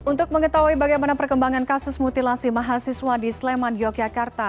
untuk mengetahui bagaimana perkembangan kasus mutilasi mahasiswa di sleman yogyakarta